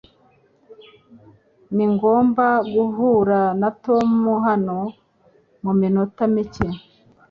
Ningomba guhura na Tom hano muminota mike.